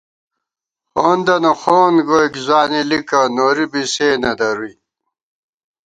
خَوندَنہ خَوند گوئیک ځوانېلِکہ ، نوری بی سے نہ درُوئی